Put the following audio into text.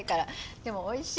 でもおいしい！